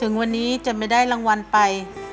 ถึงวันนี้จะไม่ได้รางวัลไป